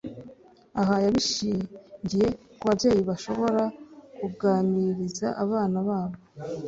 Aha yabishingiye ku babyeyi bashobora kuganiriza abana babo